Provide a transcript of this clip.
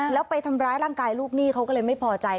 แล้วไปทำร้ายร่างกายลูกหนี้เขาก็เลยไม่พอใจ